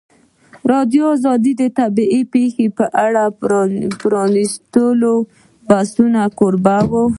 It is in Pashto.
ازادي راډیو د طبیعي پېښې په اړه د پرانیستو بحثونو کوربه وه.